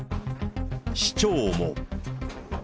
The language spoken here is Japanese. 市長も。